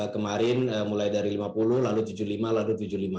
kemarin mulai dari lima puluh lalu tujuh puluh lima lalu tujuh puluh lima